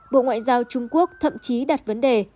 bộ ngoại giao trung quốc thậm chí đặt vấn đề